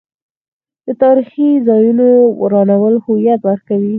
د تاریخي ځایونو ورانول هویت ورکوي.